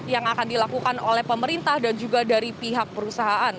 yang akan dilakukan oleh pemerintah dan juga dari pihak perusahaan